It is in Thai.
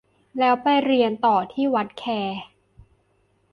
แล้วไปเรียนต่อที่วัดแค